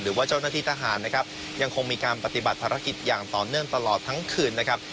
หรือว่าเจ้าหน้าที่ทหารนะครับยังคงมีการปฏิบัติภารกิจอย่างต่อเนื่องตลอดทั้งคืนนะครับ